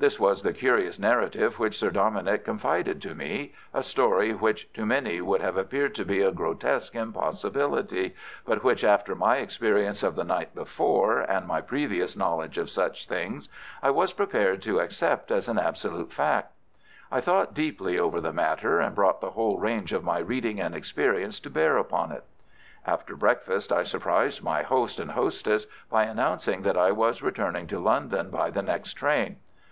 This was the curious narrative which Sir Dominick confided to me—a story which to many would have appeared to be a grotesque impossibility, but which, after my experience of the night before, and my previous knowledge of such things, I was prepared to accept as an absolute fact. I thought deeply over the matter, and brought the whole range of my reading and experience to bear upon it. After breakfast, I surprised my host and hostess by announcing that I was returning to London by the next train.